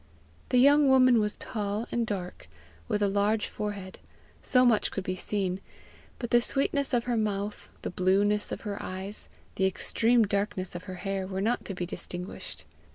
The young woman was tall and dark, with a large forehead: so much could be seen; but the sweetness of her mouth, the blueness of her eyes, the extreme darkness of her hair, were not to be distinguished.